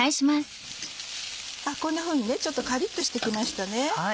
あっこんなふうにちょっとカリっとして来ました。